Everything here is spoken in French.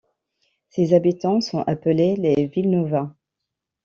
Ses habitants sont appelés les Villenovains.